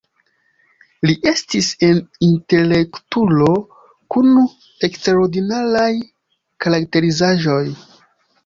Li estis intelektulo kun eksterordinaraj karakterizaĵoj.